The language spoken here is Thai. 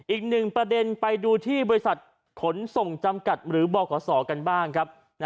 อีกหนึ่งประเด็นไปดูที่บริษัทขนส่งจำกัดหรือบขกันบ้างครับ